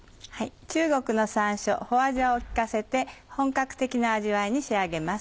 中国の山椒花椒を利かせて本格的な味わいに仕上げます。